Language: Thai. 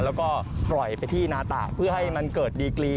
แล้วก็ปล่อยไปที่นาตะเพื่อให้มันเกิดดีกรี